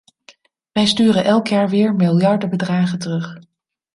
Wij sturen elk jaar weer miljardenbedragen terug.